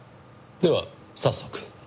では早速。